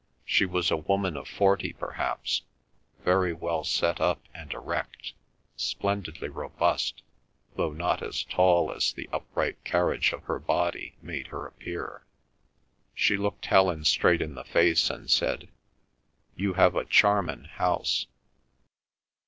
She was a woman of forty perhaps, very well set up and erect, splendidly robust, though not as tall as the upright carriage of her body made her appear. She looked Helen straight in the face and said, "You have a charmin' house."